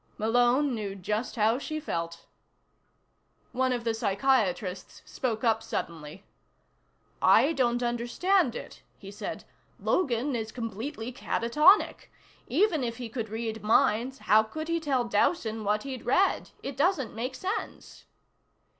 Malone knew just how she felt. One of the psychiatrists spoke up suddenly. "I don't understand it," he said. "Logan is completely catatonic. Even if he could read minds, how could he tell Dowson what he'd read? It doesn't make sense."